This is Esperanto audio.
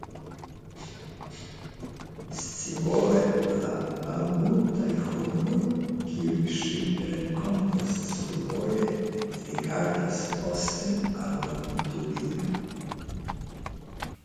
Scivole la malmultaj homoj, kiujn ŝi renkontas survoje, rigardas posten al la mutulino.